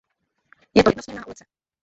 Je to jednosměrná ulice.